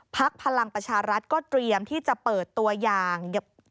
พลังประชารัฐก็เตรียมที่จะเปิดตัวอย่าง